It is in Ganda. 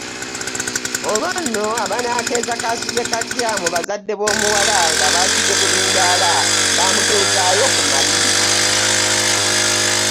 Olwo no abanaakeeza kaasuze katya mu bazadde b’omuwala nga baasuze bulindaala bamukeezaayo ku maliri.